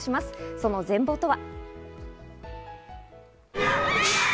その全貌とは。